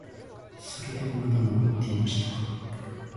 それでもまだ残っていましたから、